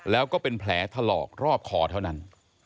แล้วก็เป็นแผลถลอกรอบคอเท่านั้น